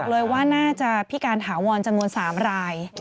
เลยว่าน่าจะพิการถาวรจำนวน๓ราย